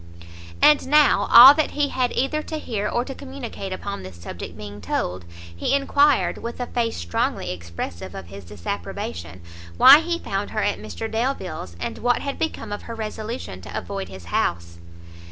And now, all that he had either to hear or to communicate upon this subject being told, he enquired, with a face strongly expressive of his disapprobation, why he found her at Mr Delvile's, and what had become of her resolution to avoid his house?